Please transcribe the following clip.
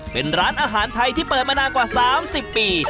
เป็นร้านอาหารไทยที่เปิดมานานกว่า๓๐ปี